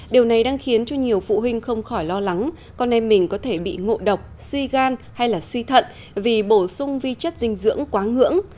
điều này đang khiến cho nhiều phụ huynh không khỏi lo lắng con em mình có thể bị ngộ độc suy gan hay là suy thận vì bổ sung vi chất dinh dưỡng quá ngưỡng